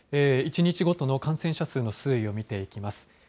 １日ごとの感染者数の推移を見ていきます。